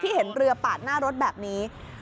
เห็นเรือปาดหน้ารถแบบนี้